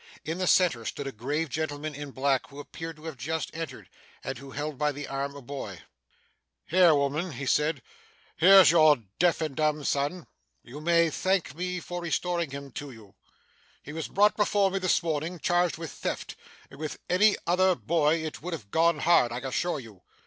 In the centre, stood a grave gentleman in black who appeared to have just entered, and who held by the arm a boy. 'Here, woman,' he said, 'here's your deaf and dumb son. You may thank me for restoring him to you. He was brought before me, this morning, charged with theft; and with any other boy it would have gone hard, I assure you.